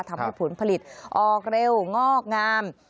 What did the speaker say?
ทำให้ผลผลิตออกเร็วงอกงาม